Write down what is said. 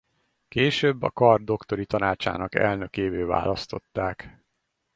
Később a kar Doktori Tanácsának elnökévé választották.